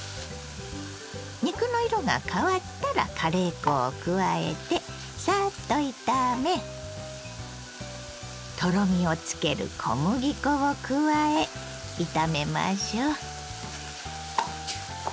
肉の色が変わったらカレー粉を加えてさっと炒めとろみをつける小麦粉を加え炒めましょう。